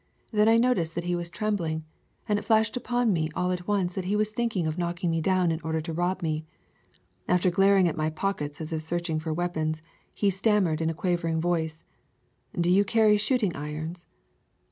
Then I noticed that he was trembling, and it flashed upon me all at once that he was thinking of knocking me down in order to robme. After glaring at my pockets as if searching for weapons, he stammered in a quavering voice, "Do you carry shooting irons?"